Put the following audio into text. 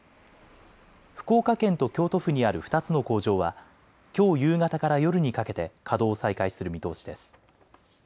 福岡県と京都府にある２つの工場はきょう夕方から夜にかけて稼働を再開する見通しです。